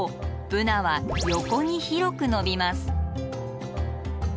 ブナは横に広く伸びます。